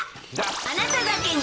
あなただけに！